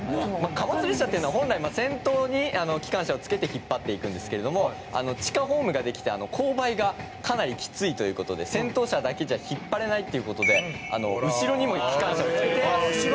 「貨物列車っていうのは本来先頭に機関車を付けて引っ張っていくんですけれども地下ホームができて勾配がかなりきついという事で先頭車だけじゃ引っ張れないっていう事で後ろにも機関車を付けて押していくという」